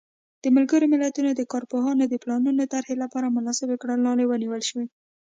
د ملګرو ملتونو د کارپوهانو د پلانونو طرحې لپاره مناسبې کړنلارې ونیول شوې.